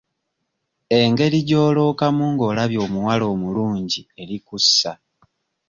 Engeri gy'olookamu ng'olabye omuwala omulungi eri kussa.